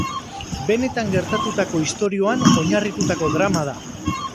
Benetan gertatutako istorioan oinarritutako drama da.